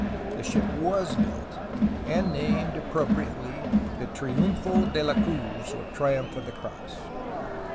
The ship was built, and named appropriately the Triunfo de la Cruz (Triumph of the Cross).